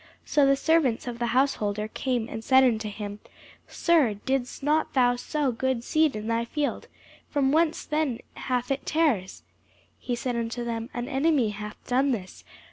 So the servants of the householder came and said unto him, Sir, didst not thou sow good seed in thy field? from whence then hath it tares? He said unto them, An enemy hath done this.